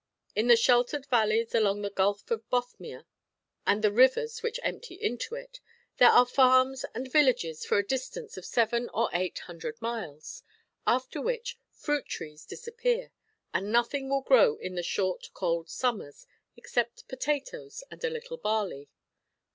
In the sheltered valleys along the Gulf of Bothnia and the rivers which empty into it, there are farms and villages for a distance of seven or eight hundred miles, after which fruit trees disappear, and nothing will grow in the short, cold summers except potatoes and a little barley.